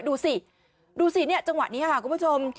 ดูสิดูสิเนี่ยจังหวะนี้ค่ะคุณผู้ชม